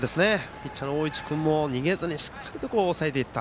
ピッチャーの大内君も逃げずにしっかりと抑えていった。